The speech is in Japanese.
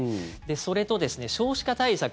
それとですね、少子化対策